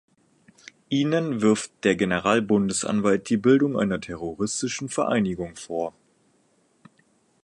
Ihnen wirft der Generalbundesanwalt die Bildung einer terroristischen Vereinigung vor.